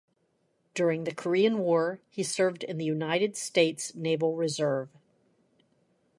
During the Korean War, he served in the United States Naval Reserve.